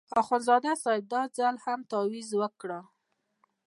اخندزاده صاحب دا ځل هم تاویز ورکړ.